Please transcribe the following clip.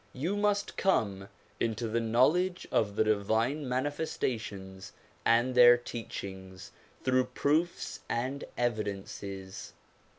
You must come into the knowledge of the divine manifestations and their teachings through proofs and evidences.